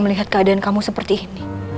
melihat keadaan kamu seperti ini